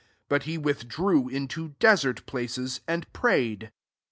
16 ^ut he withdrew into desert places, and prayed.